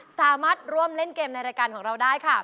สามารถร่วมเล่นเกมในรายการของเราได้ค่ะ